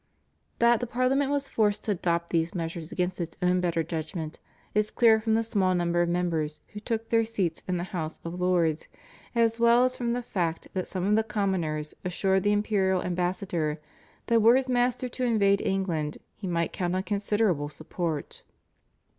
That the Parliament was forced to adopt these measures against its own better judgment is clear from the small number of members who took their seats in the House of Lords, as well as from the fact that some of the Commoners assured the imperial ambassador that were his master to invade England he might count on considerable support.